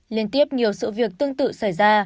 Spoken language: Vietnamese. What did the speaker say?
liên tiếp nhiều sự việc tương tự xảy ra